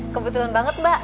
kebetulan banget mbak